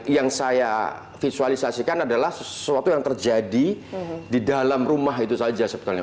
yang saya visualisasikan adalah sesuatu yang terjadi di dalam rumah itu saja sebetulnya